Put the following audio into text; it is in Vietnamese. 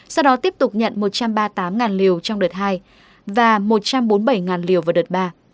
sau đó tiếp tục nhận một trăm ba mươi tám liều trong đợt hai và một trăm bốn mươi bảy liều vào đợt ba